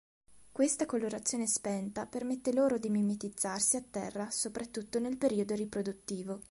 Questa colorazione spenta permette loro di mimetizzarsi a terra, soprattutto nel periodo riproduttivo.